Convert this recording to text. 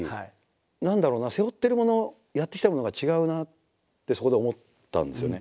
何だろうな背負ってるものやってきたものが違うなってそこで思ったんですよね。